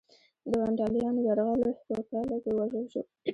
د ونډالیانو یرغل په پایله کې ووژل شو